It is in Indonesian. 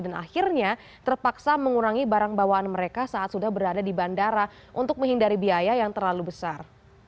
dan akhirnya terpaksa mengurangi barang bawaan mereka saat sudah berada di bandara untuk menghindari biaya yang terlalu besar